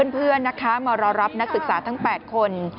เพื่อนนะคะมารอรับนักศึกษาทั้ง๘คน